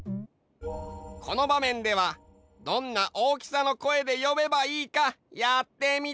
このばめんではどんな大きさの声でよべばいいかやってみて。